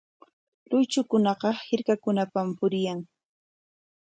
Luychukunaqa hirkakunapam puriyan.